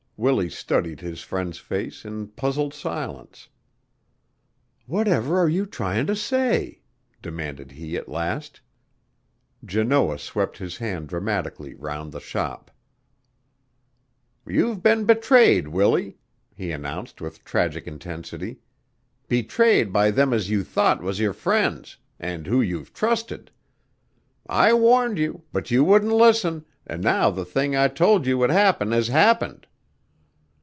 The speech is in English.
Willie studied his friend's face in puzzled silence. "Whatever are you tryin' to say?" demanded he at last. Janoah swept his hand dramatically round the shop. "You've been betrayed, Willie!" he announced with tragic intensity. "Betrayed by them as you thought was your friends, an' who you've trusted. I warned you, but you wouldn't listen, an' now the thing I told you would happen has happened."